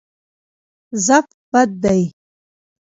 ضعف بد دی.